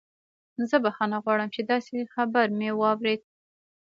زه بخښنه غواړم چې داسې خبر مې واورید